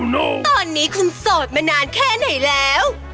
ตอนนี้คุณโสดมานานแค่ไหนแล้ว